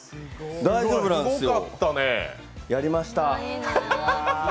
大丈夫なんですよ、やりました。